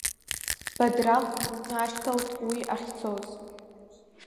Бадраҟ днашьҭалт уи ахьцоз.